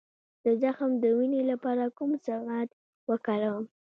د زخم د وینې لپاره کوم ضماد وکاروم؟